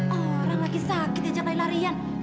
orang lagi sakit ajak lari larian